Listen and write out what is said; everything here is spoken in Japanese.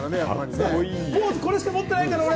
ポーズこれしか持ってないんだから！